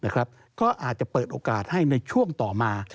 ก็อาจจะเปิดโอกาสให้ในช่วงต่อมา